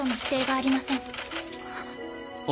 あっ。